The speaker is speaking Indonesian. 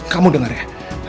kamu dengar ya